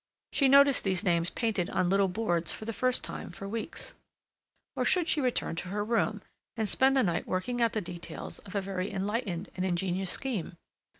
She noticed these names painted on little boards for the first time for weeks. Or should she return to her room, and spend the night working out the details of a very enlightened and ingenious scheme?